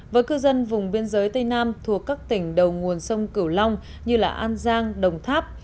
với cư dân vùng biên giới tây nam thuộc các tỉnh đầu nguồn sông cửu long như an giang đồng tháp